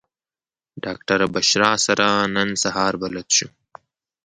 ډاکټره بشرا سره نن سهار بلد شوم.